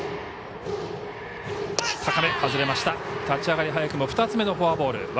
立ち上がり早くも２つめのフォアボール。